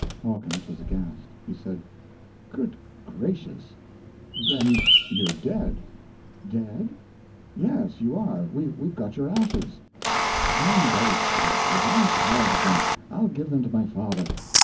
Hawkins was aghast. He said: "Good gracious, then you're dead!" "Dead?" "Yes you are—we've got your ashes." "Hang those ashes, I'm tired of them; I'll give them to my father."